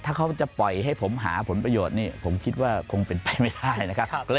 ถ้าเขาจะปล่อยให้ผมหาผลประโยชน์นี่ผมคิดว่าคงเป็นไปไม่ได้นะครับ